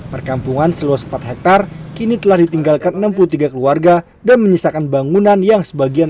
perkampungan seluas empat hektare kini telah ditinggalkan enam puluh tiga keluarga dan menyisakan bangunan yang sebagian